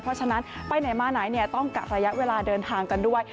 เพราะฉะนั้นไปไหนมาไหนต้องกะระยะเวลาเดินทางกันด้วย